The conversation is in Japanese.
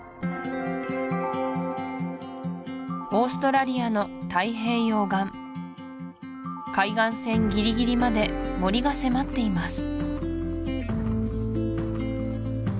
オーストラリアの太平洋岸海岸線ぎりぎりまで森が迫っています